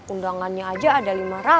undangannya aja ada lima ratus